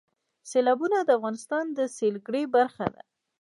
سیلابونه د افغانستان د سیلګرۍ برخه ده.